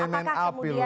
belum main main api loh